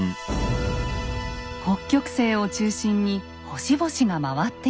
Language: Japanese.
北極星を中心に星々が回っています。